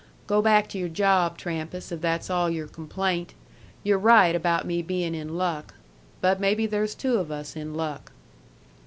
"Go back to your job, Trampas, if that's all your complaint. You're right about me being in luck. But maybe there's two of us in luck."